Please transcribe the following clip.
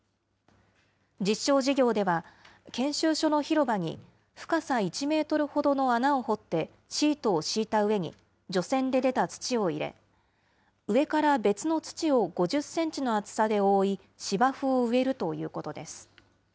実証事業では、研修所の広場に深さ１メートルほどの穴を掘って、シートを敷いた上に除染で出た土を入れ、上から別の土を５０センチの厚さで覆い、芝生を植えるということです。